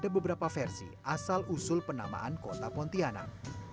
ada beberapa versi asal usul penamaan kota pontianak